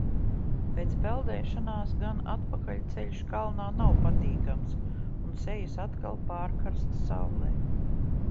Pēc peldēšanās gan atpakaļceļš kalnā nav patīkams, un sejas atkal pārkarst saulē.